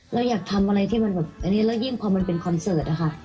เราอยากทำอะไรที่มันแบบอันนี้แล้วยิ่งพอมันเป็นคอนเสิร์ตนะคะ